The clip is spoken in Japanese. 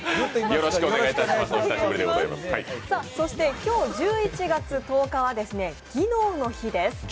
今日１１月１０日は技能の日です。